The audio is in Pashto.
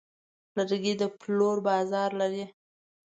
لرګی د پلور بازار لري.